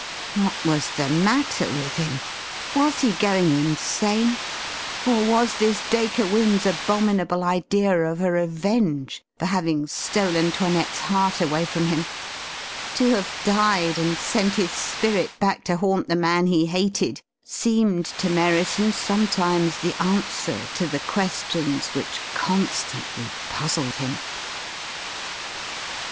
What was the matter with him? Was he going insane? Or was this Dacre Wynne's abominable idea of a revenge for having stolen 'Toinette's heart away from him? To have died and sent his spirit back to haunt the man he hated seemed to Merriton sometimes the answer to the questions which constantly puzzled him.